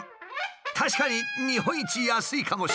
確かに日本一安いかもしれない。